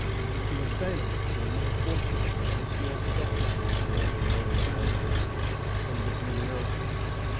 The assailants were more fortunate at a small stockade called Fort Granville, on the Juniata.